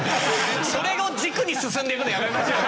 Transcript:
それを軸に進んでいくのやめましょうよ。